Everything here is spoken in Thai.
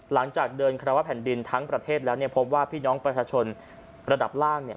หลังจากเดินคาราวะแผ่นดินทั้งประเทศแล้วเนี่ยพบว่าพี่น้องประชาชนระดับล่างเนี่ย